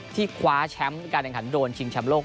คว้าแชมป์การแข่งขันโดนชิงแชมป์โลก